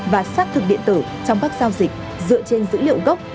và xác thực điện tử trong các giao dịch dựa trên dữ liệu gốc